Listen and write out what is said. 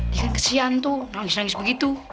dia kan kesian tuh nangis nangis begitu